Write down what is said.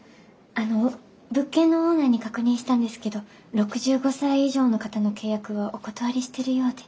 あの物件のオーナーに確認したんですけど６５歳以上の方の契約はお断りしているようで。